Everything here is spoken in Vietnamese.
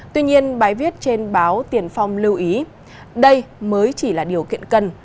tuy nhiên bài viết trên báo tiền phong lưu ý đây mới chỉ là điều kiện cần